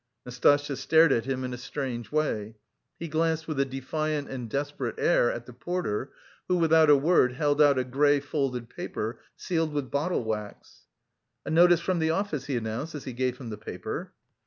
Nastasya stared at him in a strange way. He glanced with a defiant and desperate air at the porter, who without a word held out a grey folded paper sealed with bottle wax. "A notice from the office," he announced, as he gave him the paper.